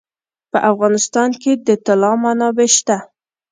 په افغانستان کې د طلا منابع شته.